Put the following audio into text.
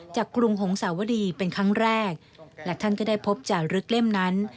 กรุงหงสาวดีเป็นครั้งแรกและท่านก็ได้พบจารึกเล่มนั้น